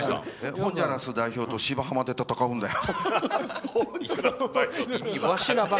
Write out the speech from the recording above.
ホンジュラス代表と「芝浜」で戦うんだよ。